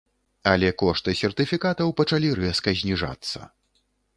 Але кошты сертыфікатаў пачалі рэзка зніжацца.